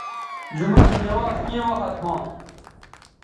جمعہ سو نوانز کیں وخت ھاں